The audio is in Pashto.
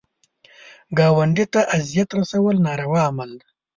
ګاونډي ته اذیت رسول ناروا عمل دی